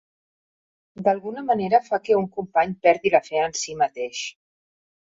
D'alguna manera fa que un company perdi la fe en si mateix.